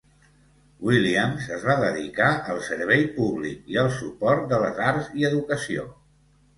Williams es va dedicar al servei públic i al suport de les arts i l'educació.